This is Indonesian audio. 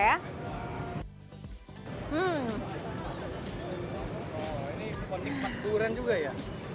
ini menikmati durian juga ya